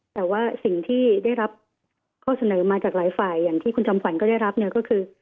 แต่ว่าสิ่งที่ได้รับข้อเสนอมาจากหลายฝ่ายอย่างที่คุณจำขวัญก็ได้รับเนี่ยก็คือ